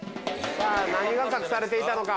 何が隠されていたのか？